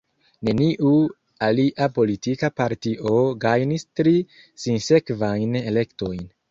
Neniu alia politika partio gajnis tri sinsekvajn elektojn.